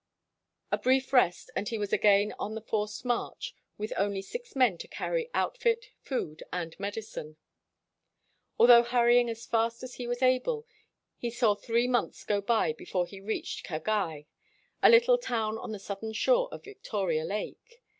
A brief rest, and he was again on a forced march, with only six men to carry outfit, food, and medicine. Although hurrying as fast as he was able, he saw three months go by before he reached Kagei, a little town on the southern shore of .Victoria Lake.